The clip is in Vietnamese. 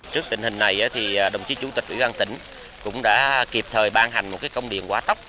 trước tình hình này đồng chí chủ tịch ủy ban tỉnh cũng đã kịp thời ban hành một công điện quá tốc